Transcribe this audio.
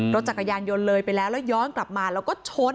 รถจักรยานยนต์เลยไปแล้วแล้วย้อนกลับมาแล้วก็ชน